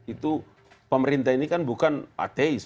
itu pemerintah ini kan bukan pateis